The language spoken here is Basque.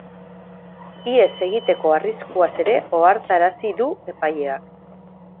Ihes egiteko arriskuaz ere ohartarazi du epaileak.